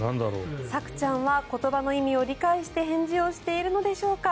さくちゃんは言葉の意味を理解して返事をしているのでしょうか。